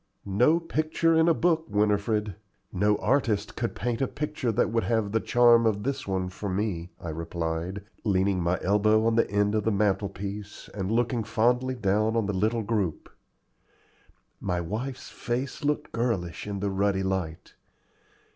"No picture in a book, Winifred no artist could paint a picture that would have the charm of this one for me," I replied, leaning my elbow on the end of the mantel piece, and looking fondly down on the little group. My wife's face looked girlish in the ruddy light.